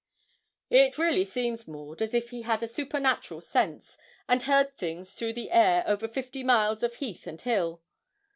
'It really seems, Maud, as if he had a supernatural sense, and heard things through the air over fifty miles of heath and hill.